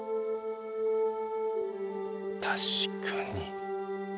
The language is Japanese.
確かに。